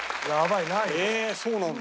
えっそうなんだ。